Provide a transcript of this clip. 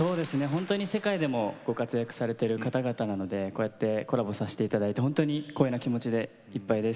ほんとに世界でもご活躍されてる方々なのでこうやってコラボさせて頂いてほんとに光栄な気持ちでいっぱいです。